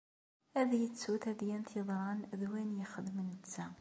Ad yettu tadyant iḍṛan d wayen yexdem netta.